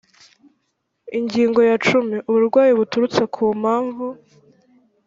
ingingo ya cumi uburwayi buturutse ku mpamvu